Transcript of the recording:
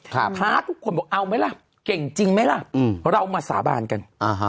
ท้าทุกคนบอกเอาไหมล่ะเก่งจริงไหมล่ะเรามาสาบานกันอ่าฮะ